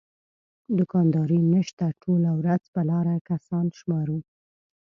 دوکانداري نشته ټوله ورځ په لاره کسان شمارو.